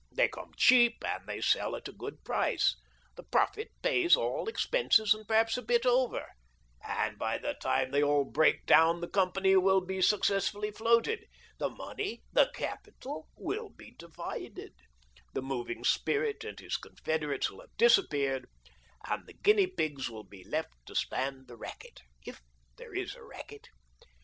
They come cheap, and they sell at a good price — the profit pays all expenses and perhaps a bit over ; and by the time they all break down the company will be successfully floated, the money — the capital — will be divided, the moving spirit and his confederates will have disappeared, and the guinea pigs will be left to stand the racket — if there is a racket.